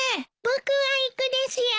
僕は行くですよ。